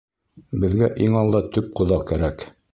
Беҙгә иң алда төп ҡоҙа кәрәк.